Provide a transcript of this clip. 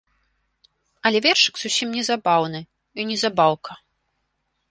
Але вершык зусім не забаўны і не забаўка.